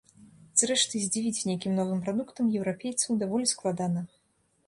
Зрэшты, здзівіць нейкім новым прадуктам еўрапейцаў даволі складана.